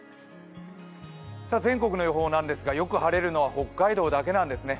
全国の予報なんですがよく晴れるのは北海道だけなんですね。